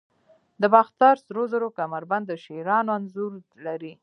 د باختر سرو زرو کمربند د شیرانو انځور لري